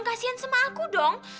kasian sama aku dong